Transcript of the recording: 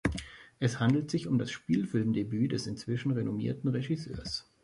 Es handelt sich um das Spielfilmdebüt des inzwischen renommierten Regisseurs.